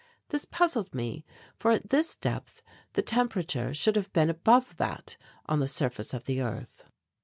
This puzzled me for at this depth the temperature should have been above that on the surface of the earth.